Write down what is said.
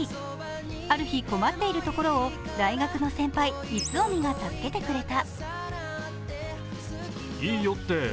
ある日、困っているところを大学の先輩、逸臣が助けてくれた。